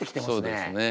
そうですね。